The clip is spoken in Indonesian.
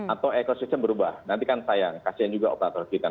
atau ekosistem berubah nanti kan sayang kasian juga operator kita